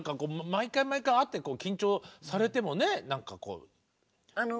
毎回毎回会って緊張されてもね何かこう。